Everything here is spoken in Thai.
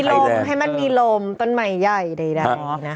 มีลมให้มันมีลมต้นใหม่ใยได้นะครับ